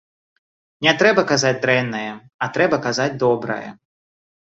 Не трэба казаць дрэннае, а трэба казаць добрае.